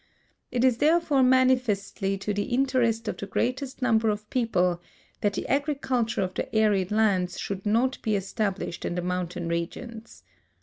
It is therefoi e manifestly to the interest of the greatest number of i)eople that the agriculture of the arid lands should not be established in the mountain regions.